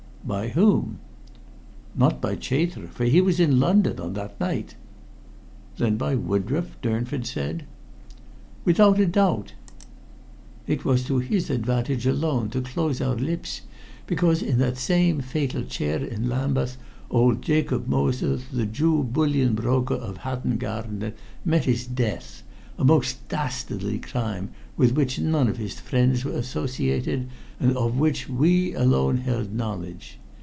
"By whom?" "Not by Chater, for he was in London on that night." "Then by Woodroffe?" Durnford said. "Without a doubt. It was all most cleverly thought out. It was to his advantage alone to close our lips, because in that same fatal chair in Lambeth old Jacob Moser, the Jew bullion broker of Hatton Garden, met his death a most dastardly crime, with which none of his friends were associated, and of which we alone held knowledge.